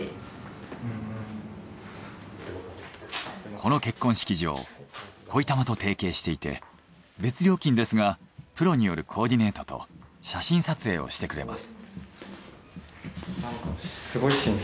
この結婚式場恋たまと提携していて別料金ですがプロによるコーディネートと写真撮影をしてくれます。